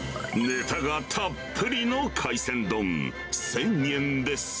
ねたがたっぷりの海鮮丼１０００円です。